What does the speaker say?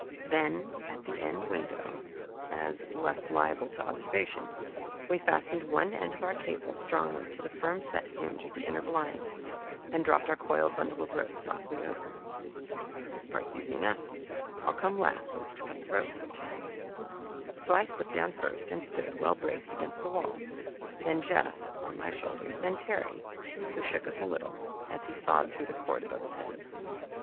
Then at an end window, as less liable to observation, we fastened one end of our cable, strongly, to the firm set hinge of the inner blind, and dropped our coiled bundle of rope softly over. "This part's easy enough I'll come last, so as to cut the rope," said Terry. So I slipped down first, and stood, well braced against the wall; then Jeff on my shoulders, then Terry, who shook us a little as he sawed through the cord above his head.